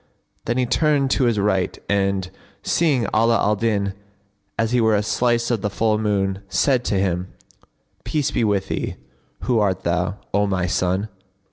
Then he turned to his right and, seeing Ala al Din as he were a slice of the full moon, said to him, "Peace be with thee! who art thou, O my son?"